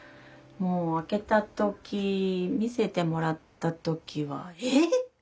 もう開けた時見せてもらった時はえっ！